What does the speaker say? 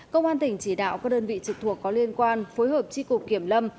công an tỉnh chỉ đạo các đơn vị trực thuộc có liên quan phối hợp tri cục kiểm lâm